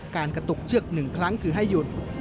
กระตุกเชือก๑ครั้งคือให้หยุด